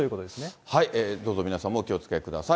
どうぞ、皆さんもお気をつけください。